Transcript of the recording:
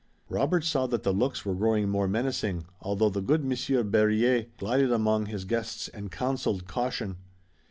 Robert saw that the looks were growing more menacing, although the good Monsieur Berryer glided among his guests, and counseled caution.